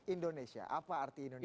indonesia apa arti indonesia